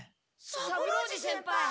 三郎次先輩！